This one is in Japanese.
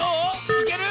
いける？